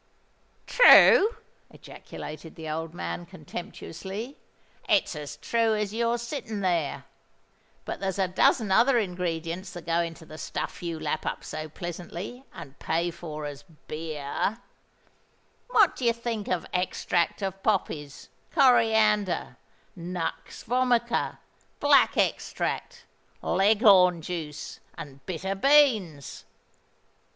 "True!" ejaculated the old man, contemptuously: "it's as true as you're sitting there! But there's a dozen other ingredients that go into the stuff you lap up so pleasantly, and pay for as beer. What do you think of extract of poppies, coriander, nux vomica, black extract, Leghorn juice, and bitter beans?